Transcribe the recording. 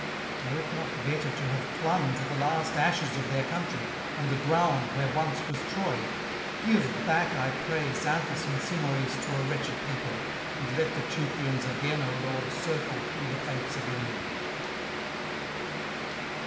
Were it not better to have [59 91]clung to the last ashes of their country, and the ground where once was Troy? Give back, I pray, Xanthus and Simoïs to a wretched people, and let the Teucrians again, O Lord, circle through the fates of Ilium.'